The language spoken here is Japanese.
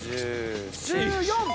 １４！